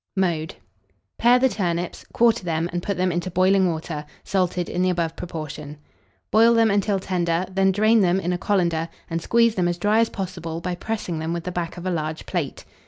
Mode. Pare the turnips, quarter them, and put them into boiling water, salted in the above proportion; boil them until tender; then drain them in a colander, and squeeze them as dry as possible by pressing them with the back of a large plate.